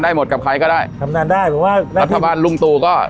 หมดกับใครก็ได้ทำงานได้ผมว่ารัฐบาลลุงตู่ก็